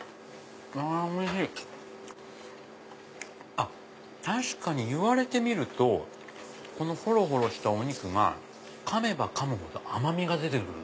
あっ確かに言われてみるとこのほろほろしたお肉がかめばかむほど甘みが出る。